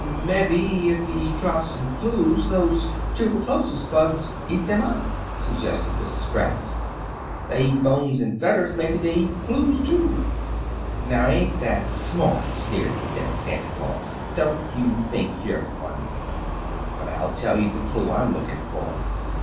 "Mebby, if he dropped some cloos, those toober chlosis bugs eat them up," suggested Mrs. Gratz. "They eats bones and fedders; mebby they eats cloos, too." "Now, ain't that smart?" sneered the thin Santa Claus. "Don't you think you're funny? But I'll tell you the clue I'm looking for.